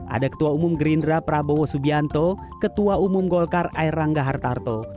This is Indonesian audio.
ada ketua umum gerindra prabowo subianto ketua umum golkar air langga hartarto